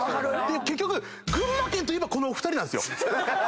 結局群馬県といえばこのお二人なんですよ。